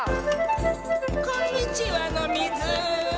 こんにちはのミズ。